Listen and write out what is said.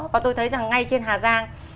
và tôi thấy rằng ngay trên hà giang